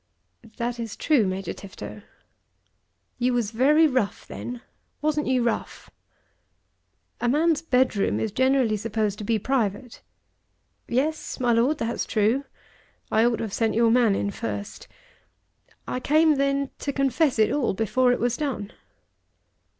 "That is true, Major Tifto." "You was very rough then. Wasn't you rough?" "A man's bedroom is generally supposed to be private." "Yes, my Lord, that's true. I ought to have sent your man in first. I came then to confess it all, before it was done."